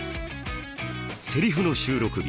セリフの収録日。